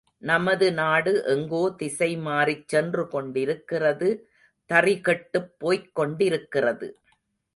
நமது நாடு எங்கோ திசைமாறிச் சென்றுகொண்டிருக்கிறது தறிகெட்டுப் போய்க்கொண்டிருக்கிறது.